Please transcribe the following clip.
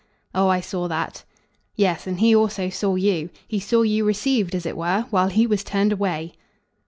"Oh I saw that." "Yes, and he also saw you. He saw you received, as it were, while he was turned away."